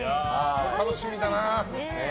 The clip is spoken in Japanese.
楽しみだな。